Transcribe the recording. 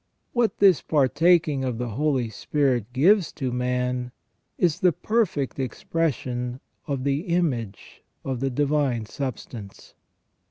What this partaking of the Holy Spirit gives to man is the perfect expression of the image of the divine substance."